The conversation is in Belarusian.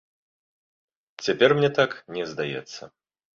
Цяпер мне так не здаецца.